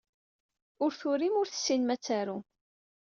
Ur turim, ur tessinem ad tarum.